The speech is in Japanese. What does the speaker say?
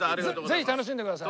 ぜひ楽しんでください。